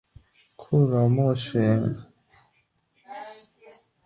库普佐沃农村居民点是俄罗斯联邦伏尔加格勒州科托沃区所属的一个农村居民点。